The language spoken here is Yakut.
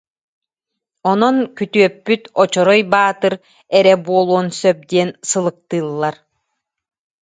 Онон күтүөппүт Очорой Баатыр эрэ буолуон сөп диэн сылыктыыллар